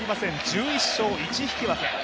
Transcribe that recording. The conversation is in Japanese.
１１勝１引き分け。